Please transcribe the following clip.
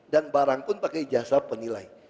dan barang pun pakai jasa penilai